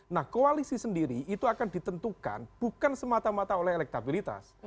nah koalisi sendiri itu akan ditentukan bukan semata mata oleh elektabilitas